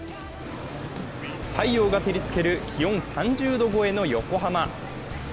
太陽が照りつける気温３０度超えの横浜。